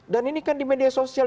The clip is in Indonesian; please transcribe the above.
dan ini kan di media sosial